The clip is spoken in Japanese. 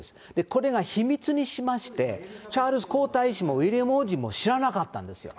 これが秘密にしまして、チャールズ皇太子もウィリアム王子も知らなかったんですよ。